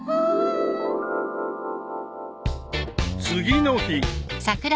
［次の日］